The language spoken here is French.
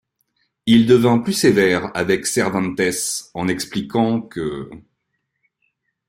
Il devient plus sévère avec Cervantes en expliquant qu'.